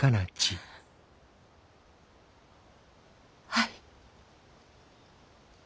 はい。